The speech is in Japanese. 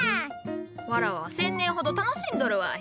わらわは１，０００年ほど楽しんどるわい。